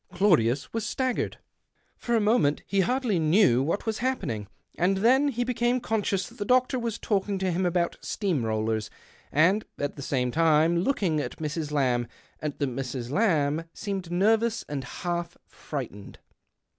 Claudius was staggered ; for a moment he hardly knew what was happening, and then he became conscious that the doctor was talking to him about steam rollers and, at the same time looking at Mrs. Lamb, and that Mrs. Lamb seemed nervous and half frightened.